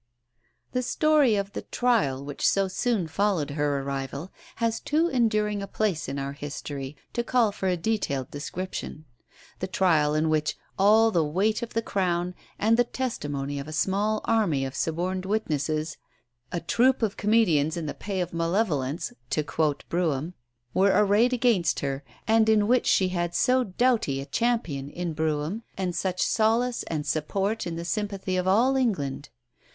The story of the trial which so soon followed her arrival has too enduring a place in our history to call for a detailed description the trial in which all the weight of the Crown and the testimony of a small army of suborned witnesses "a troupe of comedians in the pay of malevolence," to quote Brougham were arrayed against her; and in which she had so doughty a champion in Brougham, and such solace and support in the sympathy of all England.